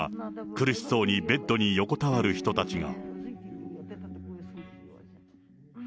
そこには、苦しそうにベッドに横たわる人たちが。